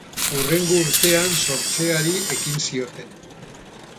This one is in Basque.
Hurrengo urtean sortzeari ekin zioten.